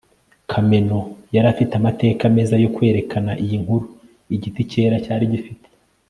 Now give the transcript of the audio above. kameno yari afite amateka meza yo kwerekana iyi nkuru. igiti cyera cyari gifite